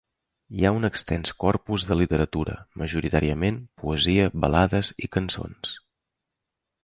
Hi ha un extens corpus de literatura, majoritàriament poesia, balades i cançons.